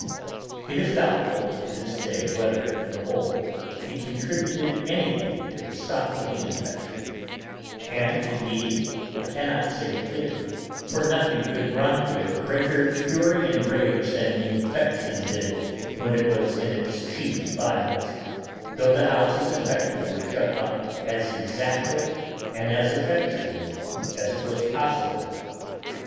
It is doubtful to this day whether, in the whole, it contributed anything to the stop of the infection; and indeed I cannot say it did, for nothing could run with greater fury and rage than the infection did when it was in its chief violence, though the houses infected were shut up as exactly and as effectually as it was possible.